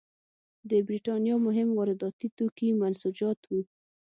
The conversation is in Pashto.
د برېټانیا مهم وارداتي توکي منسوجات وو.